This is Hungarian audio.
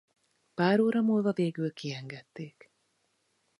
Pár óra múlva végül kiengedték.